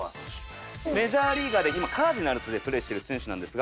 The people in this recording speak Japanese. メジャーリーガーで今カージナルスでプレーしてる選手なんですが。